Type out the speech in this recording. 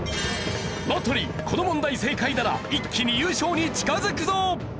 この問題正解なら一気に優勝に近づくぞ！